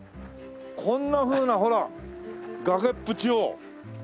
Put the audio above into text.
こんなふうなほら崖っぷちを。